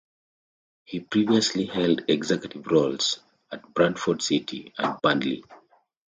He previously held executive roles at Bradford City and Burnley.